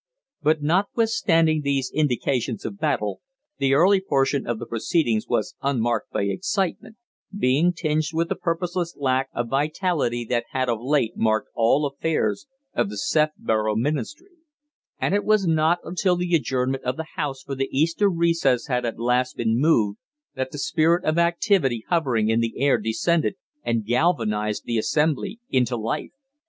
But notwithstanding these indications of battle, the early portion of the proceedings was unmarked by excitement, being tinged with the purposeless lack of vitality that had of late marked all affairs of the Sefborough Ministry; and it was not until the adjournment of the House for the Easter recess had at last been moved that the spirit of activity hovering in the air descended and galvanized the assembly into life.